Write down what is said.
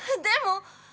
でも！